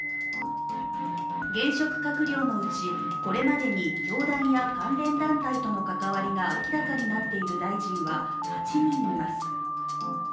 現職閣僚のうちこれまでに教団や関連団体との関わりが明らかになっている大臣は８人います。